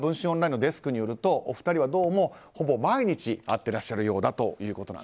オンラインのデスクによるとお二人は、どうもほぼ毎日会ってらっしゃるようだと。